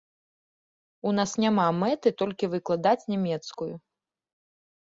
У нас няма мэты толькі выкладаць нямецкую.